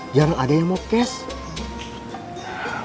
jangan ada yang mau cash